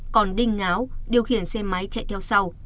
còn ding ngao điều khiển xe máy chạy theo sau